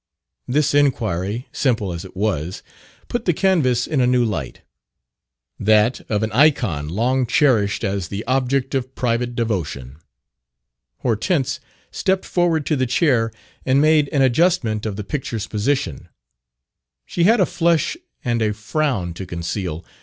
This inquiry, simple as it was, put the canvas in a new light that of an icon long cherished as the object of private devotion. Hortense stepped forward to the chair and made an adjustment of the picture's position: she had a flush and a frown to conceal.